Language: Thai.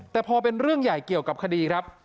แต่พอเป็นเรื่องใหญ่เกี่ยวกับคดีครับ